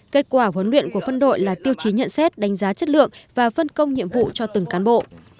kết quả huấn luyện của phân đội là tiêu chí nhận xét đánh giá chất lượng và phân công nhiệm vụ cho từng cán bộ